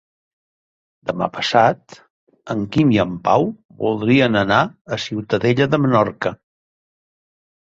Demà passat en Quim i en Pau voldrien anar a Ciutadella de Menorca.